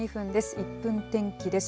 １分天気です。